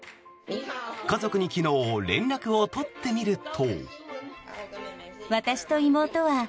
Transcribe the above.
家族に昨日連絡を取ってみると。